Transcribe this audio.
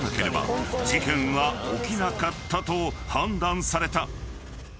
事件は起きなかったと判断された］